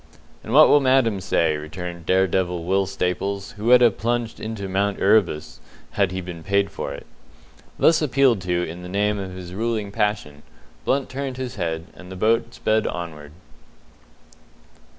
"And what will Madam say?" returned dare devil Will Staples who would have plunged into Mount Erebus had he been paid for it. Thus appealed to in the name of his ruling passion, Blunt turned his head, and the boat sped onward.